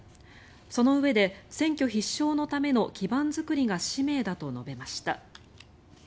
そのうえで選挙必勝のための基盤作りが使命だと述べました。